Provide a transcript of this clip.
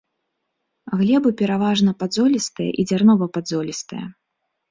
Глебы пераважна падзолістыя і дзярнова-падзолістыя.